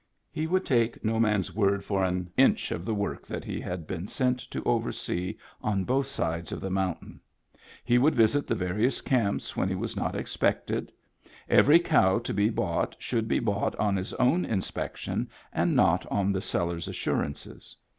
He would take no man's word for an inch of the work that he had been sent to oversee on both sides of the mountain; he would visit the various camps when he was not expected; every cow to be bought should be bought on his own inspection and not on the seller's assurances.